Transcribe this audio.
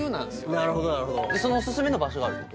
なるほどなるほどそのおすすめの場所があるってこと？